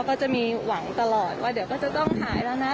ก็จะมีหวังตลอดว่าเดี๋ยวก็จะต้องหายแล้วนะ